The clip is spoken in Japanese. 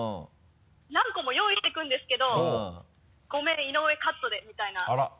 何個も用意して行くんですけど「ごめん井上カットで」みたいな。